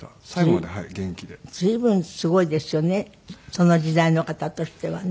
その時代の方としてはね。